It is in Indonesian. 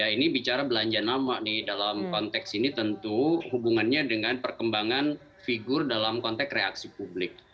ini bicara belanja nama nih dalam konteks ini tentu hubungannya dengan perkembangan figur dalam konteks reaksi publik